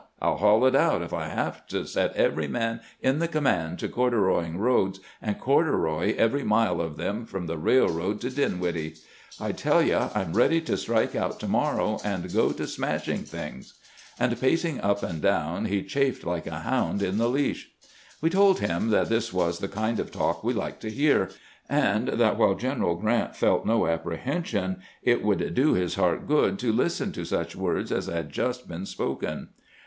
I '11 haul it out, if I have to set every man in the command to corduroying roads, and corduroy every mile of them from the railroad to Din widdle. I tell you, I 'm ready to strike out to morrow and go to smashing things "; and, pacing up and down, he chafed hke a hound in the leash. We told him that this was the kind of talk we liked to hear, and that while General Grrant felt no apprehension, it would do his heart good to listen to such words as had just been spoken.